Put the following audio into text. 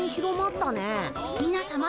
みなさま